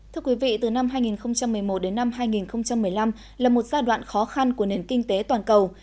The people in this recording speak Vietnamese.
thưa quý vị từ năm hai nghìn một mươi một đến năm hai nghìn một mươi năm là một giai đoạn khó khăn của nền kinh tế toàn cầu